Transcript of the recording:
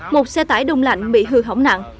một xe tải đông lạnh bị hư hỏng nặng